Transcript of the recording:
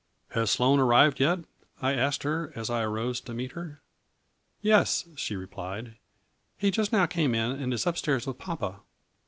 " Has Sloane arrived yet ?" I asked her, as I arose to meet her. " Yes," she replied. " He just now came in, and is up stairs with papa."